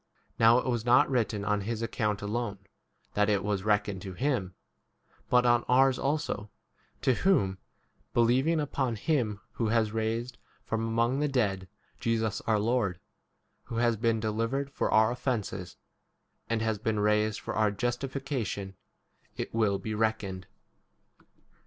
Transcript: Now it was not written on his account alone that it was 24 reckoned to him, but on ours also, to whom, believing upon him who has raised from among 25 the dead Jesus our Lord, who has been delivered for our offences and has been raised for our justi fication, it will be reckoned.